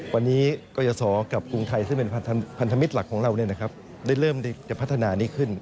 วันนี้กรยศรกับกรุงไทยซึ่งเป็นพันธมิตรหลักของเรา